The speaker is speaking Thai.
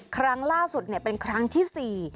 ครั้งล่าสุดเป็นครั้งที่๔